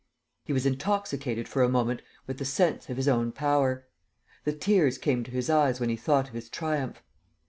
He was intoxicated for a moment with the sense of his own power. The tears came to his eyes when he thought of his triumph.